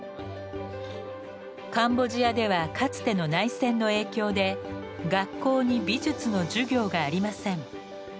カンボジアではかつての内戦の影響で学校に美術の授業がありません。